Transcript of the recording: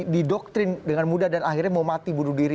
didoktrin dengan mudah dan akhirnya mau mati bunuh diri